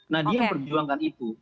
nah dia perjuangkan itu